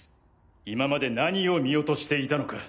今まで何を見落としていたのか。